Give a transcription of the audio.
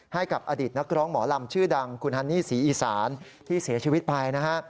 ให้กับอดีตนักร้องหมอลำชื่อดังคุณฮันนี่ศรีอีสานที่เสียชีวิตไปนะฮะ